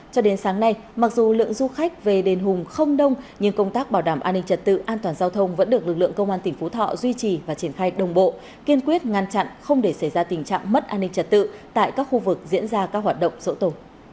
cho đến sáng nay mặc dù lượng du khách về đền hùng không đông nhưng công tác bảo đảm an ninh trật tự an toàn giao thông vẫn được lực lượng công an tỉnh phú thọ duy trì và triển khai đồng bộ kiên quyết ngăn chặn không để xảy ra tình trạng mất an ninh trật tự tại các khu vực diễn ra các hoạt động sổ tổ